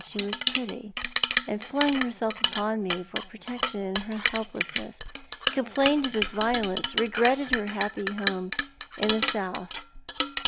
She was pretty, and she flung herself upon me for protection in her helplessness, complained of his violence, regretted her happy home in the south.